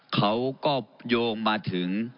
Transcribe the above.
เขาก็โยงมาถึง